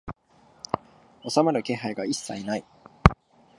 収まる気配が一切ない